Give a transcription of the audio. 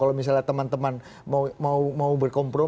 kalau misalnya teman teman mau berkompro